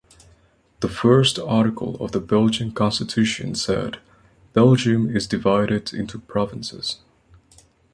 The first article of the Belgian Constitution said: Belgium is divided into provinces.